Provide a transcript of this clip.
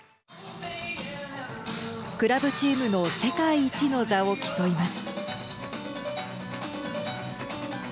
クラブチームの世界一の座を競います。